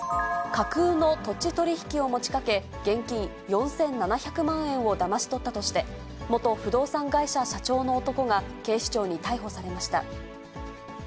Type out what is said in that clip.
架空の土地取り引きを持ちかけ、現金４７００万円をだまし取ったとして、元不動産会社社長の男が警視庁に逮捕されました。